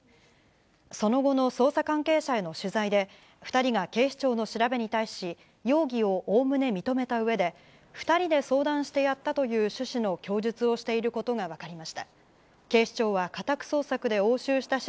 その後の捜査関係者への取材で、２人が警視庁の調べに対し、容疑をおおむね認めたうえで、２人で相談してやったという趣旨の供述をしていることが分かりま